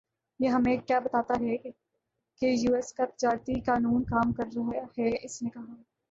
یہ ہمیں کِیا بتاتا ہے کہ یوایس کا تجارتی قانون کام کر رہا ہے اس نے کہا